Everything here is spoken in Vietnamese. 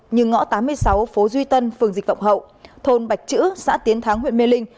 như ngõ tám mươi sáu phố duy tân phường dịch vọng hậu thôn bạch chữ xã tiến thắng huyện mê linh